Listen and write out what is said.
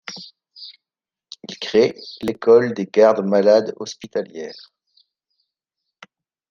Il crée l’école des gardes malades hospitalières.